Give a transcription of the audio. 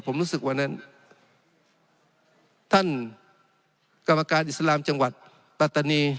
ผมรู้สึกวันนั้นท่านกรรมการอิสลามจังหวัดปัตตานี